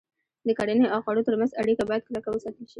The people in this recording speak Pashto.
د کرنې او خوړو تر منځ اړیکه باید کلکه وساتل شي.